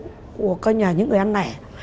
để phục vụ của những người ăn nẻ